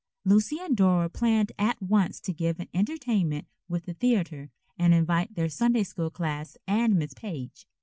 Lucy and Dora planned at once to give an entertainment with the theatre and invite their Sunday school class and Miss Page.